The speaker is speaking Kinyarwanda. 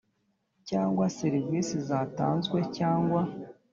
Cyangwa serivisi zatanzwe cyangwa